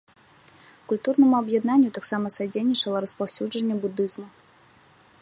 Культурнаму аб'яднанню таксама садзейнічала распаўсюджанне будызму.